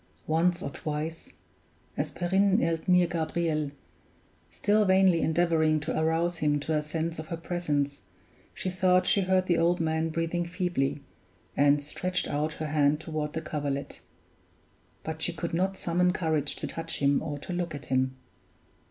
Once or twice, as Perrine knelt near Gabriel, still vainly endeavoring to arouse him to a sense of her presence, she thought she heard the old man breathing feebly, and stretched out her hand toward the coverlet; but she could not summon courage to touch him or to look at him.